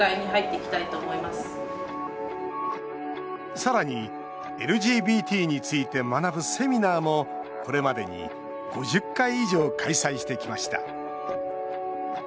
さらにＬＧＢＴについて学ぶセミナーもこれまでに５０回以上開催してきました。